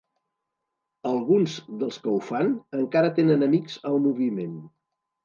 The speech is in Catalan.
Alguns dels que ho fan encara tenen amics al moviment.